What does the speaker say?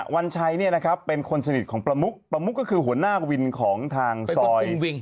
วันชัยเป็นคนสนิทของประมุกประมุกก็คือหัวหน้าวินของทางซอย